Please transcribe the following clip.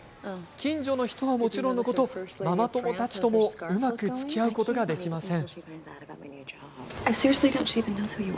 近所の人はもちろんのことママ友たちともうまくつきあうことができません。